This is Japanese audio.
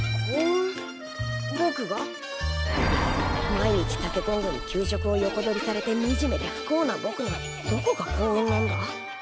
毎日タケコングに給食を横取りされてみじめで不幸なぼくのどこが幸運なんだ？